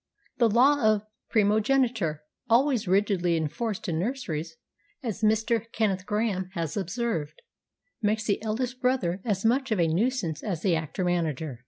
The law of primogeniture, always rigidly enforced in nurseries, as Mr. Kenneth Grahame has observed, makes the eldest brother as much of a nuisance as the actor manager.